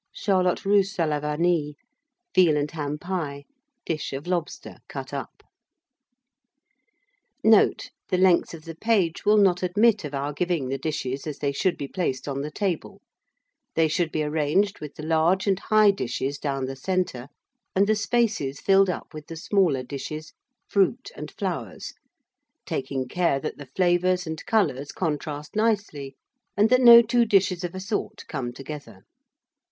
Charlotte Russe à la Vanille. Veal and Ham Pie. Dish of Lobster, cut up. Note. The length of the page will not admit of our giving the dishes as they should be placed on the table; they should be arranged with the large and high dishes down the centre, and the spaces filled up with the smaller dishes, fruit, and flowers, taking care that the flavours and colours contrast nicely, and that no two dishes of a sort come together.